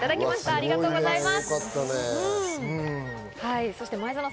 ありがとうございます。